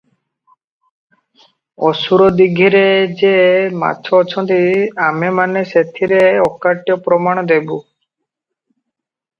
ଅସୁର ଦୀଘିରେ ଯେ ମାଛ ଅଛନ୍ତି ଆମେମାନେ ସେଥିରେ ଅକାଟ୍ୟ ପ୍ରମାଣ ଦେବୁଁ ।